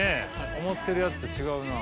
思ってるやつと違うなぁ。